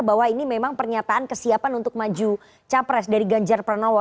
bahwa ini memang pernyataan kesiapan untuk maju capres dari ganjar pranowo